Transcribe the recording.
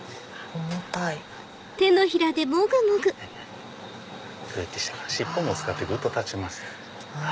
こうやって尻尾も使ってぐっと立ちます。